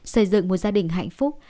xây dựng một gia đình hạnh phúc